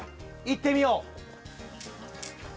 いってみよう！